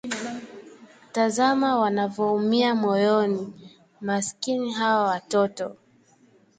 Tazama wanavyoumia moyoni, maskini hawa watoto